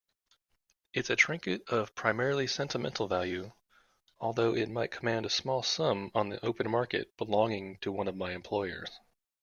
It's a trinket of primarily sentimental value, although it might command a small sum on the open market, belonging to one of my employers.